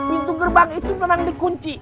pintu gerbang itu memang dikunci